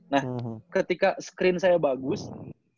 nah ketika screen saya bagus